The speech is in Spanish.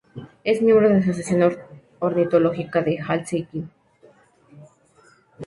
Es miembro de la Asociación Ornitológica de Helsinki.